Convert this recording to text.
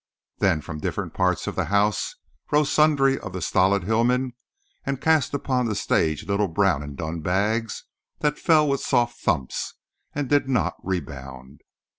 Then, from different parts of the house rose sundry of the stolid hillmen and cast upon the stage little brown and dun bags that fell with soft "thumps" and did not rebound.